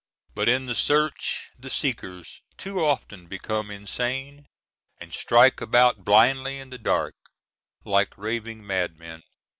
But in the search the seekers too often become insane, and strike about blindly in the dark like raving madmen.